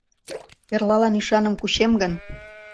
Эрлалан ӱшаным кучем гын